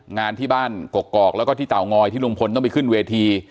งานที่บ้านกกอกแล้วก็ที่เตางอยที่ลุงพลต้องไปขึ้นเวที